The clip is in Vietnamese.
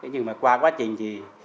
nhưng mà qua quá trình thì